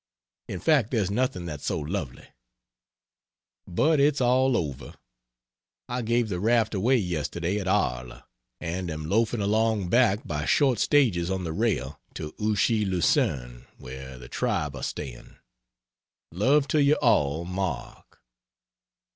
In fact there's nothing that's so lovely. But it's all over. I gave the raft away yesterday at Arles, and am loafing along back by short stages on the rail to Ouchy Lausanne where the tribe are staying. Love to you all MARK.